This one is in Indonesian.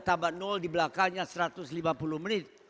tambah di belakangnya satu ratus lima puluh menit